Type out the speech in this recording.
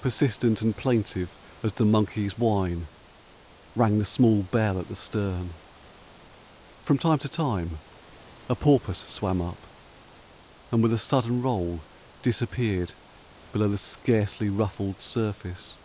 Persistent and plaintive as the monkey's whine rang the small bell at the stern. From time to time a porpoise swam up, and with a sudden roll disappeared below the scarcely ruffled surface.